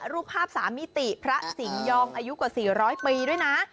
รูปภาพ๓มิติพระสิงหยองอายุกว่า๔๐๐ปีด้วยนะ